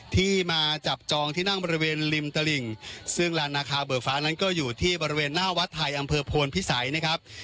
ที่มาจับจองที่นั่งบริเวณริมตลิ่งซึ่งลานนาคาเบิกฟ้านั้นก็อยู่ที่บริเวณหน้าวัดไทยอำเภอโพนพิสัยนะครับ